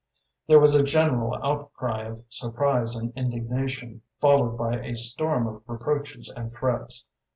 There was a general outcry of surprise and indignation, followed by a storm of reproaches and threats.